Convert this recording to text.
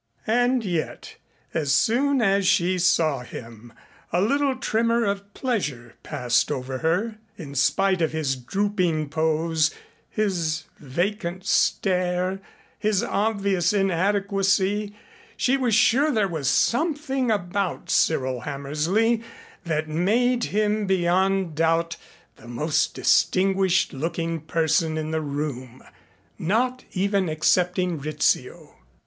And yet as soon as she saw him a little tremor of pleasure passed over her. In spite of his drooping pose, his vacant stare, his obvious inadequacy she was sure there was something about Cyril Hammersley that made him beyond doubt the most distinguished looking person in the room not even excepting Rizzio.